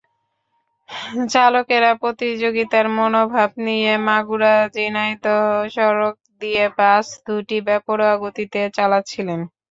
চালকেরা প্রতিযোগিতার মনোভাব নিয়ে মাগুরা-ঝিনাইদহ সড়ক দিয়ে বাস দুটি বেপরোয়া গতিতে চালাচ্ছিলেন।